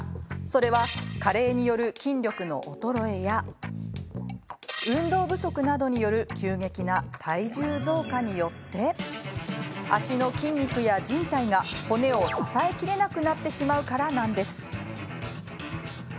それは、加齢による筋力の衰えや運動不足などによる急激な体重増加によって足の筋肉やじん帯が骨を支えきれなくなってしまうからなんです。